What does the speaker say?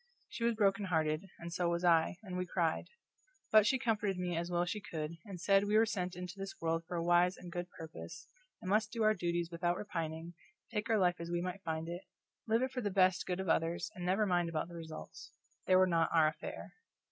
She was broken hearted, and so was I, and we cried; but she comforted me as well as she could, and said we were sent into this world for a wise and good purpose, and must do our duties without repining, take our life as we might find it, live it for the best good of others, and never mind about the results; they were not our affair.